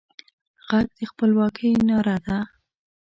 غږ د خپلواکۍ ناره ده